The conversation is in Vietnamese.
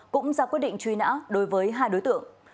cũng ra quyết định truy nã đối với hai đối tượng